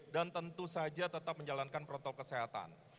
dan tentu saja tetap menjalankan protokol kesehatan